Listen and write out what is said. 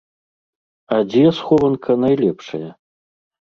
А дзе схованка найлепшая?